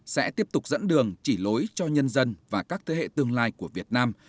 sẽ tiếp tục dẫn đường chỉ lối cho nhân dân và các thế hệ tương lai của việt nam